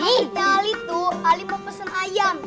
makanya ali tuh ali mau pesen ayam